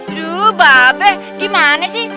aduh mbak be gimana sih